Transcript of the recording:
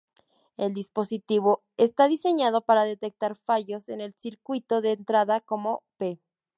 El dispositivo está diseñado para detectar fallos en el circuito de entrada como, p.